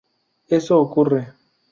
Eso ocurre.